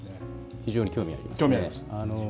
非常に興味ありますね。